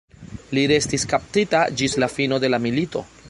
Li restis kaptita ĝis la fino de la milito.